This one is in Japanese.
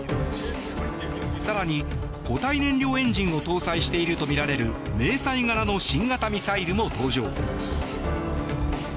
更に、固体燃料エンジンを搭載しているとみられる迷彩柄の新型ミサイルも登場。